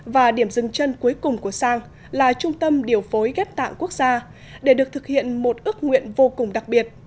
và điểm dừng chân cuối cùng của sang là trung tâm điều phối ghép tạng quốc gia để được thực hiện một ước nguyện vô cùng đặc biệt